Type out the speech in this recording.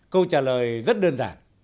câu trả lời rất đơn giản